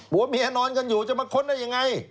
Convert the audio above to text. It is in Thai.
หัวเมียนอนกันอยู่จะมาค้นได้ยังไง